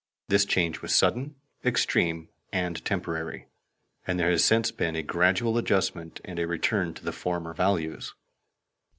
This change was sudden, extreme, and temporary, and there has since been a gradual adjustment and a return to the former values.